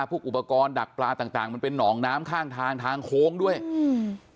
พวกอุปกรณ์ดักปลาต่างต่างมันเป็นหนองน้ำข้างทางทางโค้งด้วยอืม